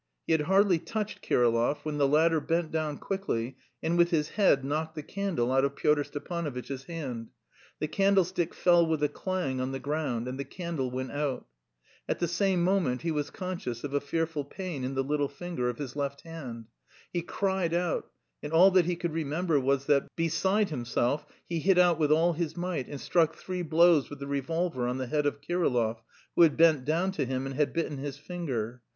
He had hardly touched Kirillov when the latter bent down quickly and with his head knocked the candle out of Pyotr Stepanovitch's hand; the candlestick fell with a clang on the ground and the candle went out. At the same moment he was conscious of a fearful pain in the little finger of his left hand. He cried out, and all that he could remember was that, beside himself, he hit out with all his might and struck three blows with the revolver on the head of Kirillov, who had bent down to him and had bitten his finger.